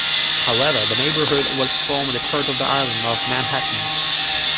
However, the neighborhood was formerly part of the island of Manhattan.